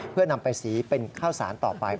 เพื่อนำไปสีเป็นข้าวสารต่อไป